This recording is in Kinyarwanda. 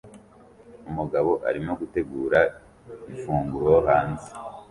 Umugabo arimo gutegura ifunguro hanze